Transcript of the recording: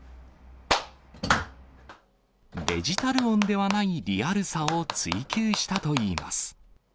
デジタル音ではないリアルさを追求したといいます。